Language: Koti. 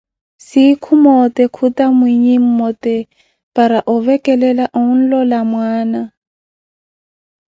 Sikhu moote khuta monye mmote para ovekela onloola mwaana.